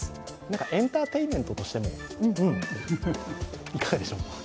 エンターテインメントとしても、いかがでしょう？